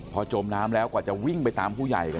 พอจมน้ำแล้วกว่าจะวิ่งไปตามผู้ใหญ่กัน